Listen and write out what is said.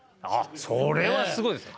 それはすごいですね。